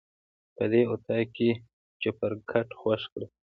په دې اطاق کې چپرکټ خوښ کړه.